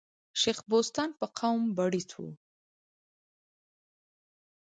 شېخ بُستان په قوم بړیڅ وو.